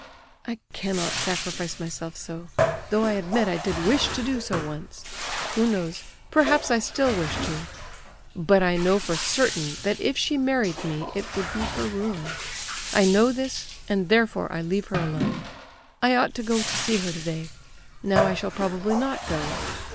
"I cannot sacrifice myself so, though I admit I did wish to do so once. Who knows, perhaps I still wish to! But I know for certain, that if she married me it would be her ruin; I know this and therefore I leave her alone. I ought to go to see her today; now I shall probably not go.